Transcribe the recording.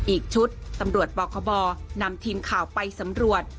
อีกชุดตำรวจปคบนำทีมข่าวไปสำรวจ